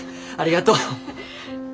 ありがとう！